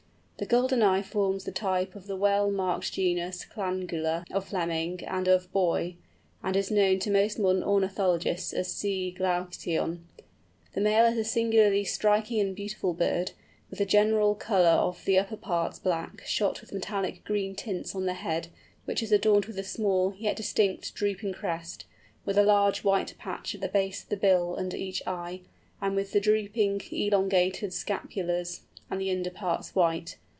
The Golden Eye forms the type of the well marked genus Clangula of Fleming and of Boie, and is known to most modern ornithologists as C. glaucion. The male is a singularly striking and beautiful bird, with the general colour of the upper parts black, shot with metallic green tints on the head, which is adorned with a small, yet distinct, drooping crest; with a large white patch at the base of the bill under each eye, and with the drooping, elongated scapulars, and the underparts, white.